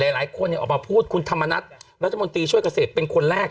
หลายคนออกมาพูดคุณธรรมนัฐรัฐมนตรีช่วยเกษตรเป็นคนแรก